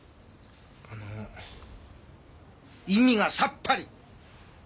あのう意味がさっぱり！